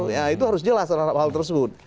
ya itu harus jelas terhadap hal tersebut